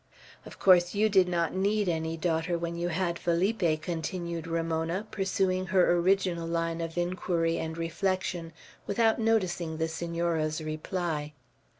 "Of course you did not need any daughter when you had Felipe," continued Ramona, pursuing her original line of inquiry and reflection without noticing the Senora's reply.